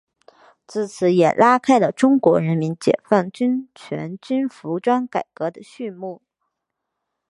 自此也拉开了中国人民解放军全军服装改革的序幕。